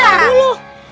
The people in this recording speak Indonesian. eh aku dulu